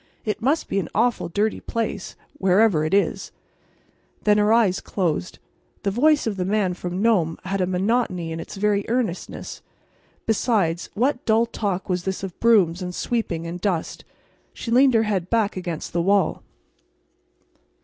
"It must be an awful dirty place, wherever it is." And then her eyes closed. The voice of the Man from Nome had a monotony in its very earnestness. Besides, what dull talk was this of brooms and sweeping and dust? She leaned her head back against the wall.